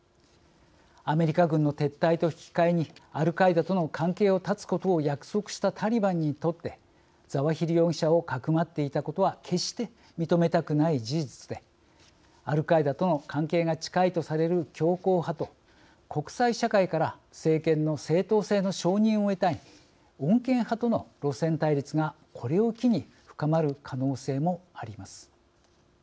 アメリカ軍の撤退と引き換えにアルカイダとの関係を断つことを約束したタリバンにとってザワヒリ容疑者をかくまっていたことは決して認めたくない事実でアルカイダとの関係が近いとされる強硬派と国際社会から政権の正統性の承認を得たい穏健派との路線対立が、これを機に深まる可能性もあります。